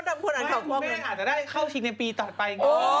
ออห์ชิงครองปันเข้าในปีต่อไป